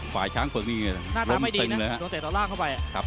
ฝ่ายช้างเผือกนี่ล้มตึงเลยครับ